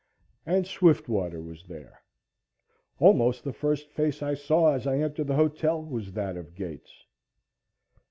And Swiftwater was there. Almost the first face I saw as I entered the hotel was that of Gates.